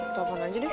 tepan aja deh